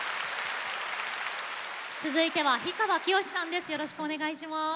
続いては氷川きよしさんです。